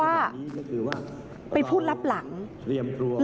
ลาออกจากหัวหน้าพรรคเพื่อไทยอย่างเดียวเนี่ย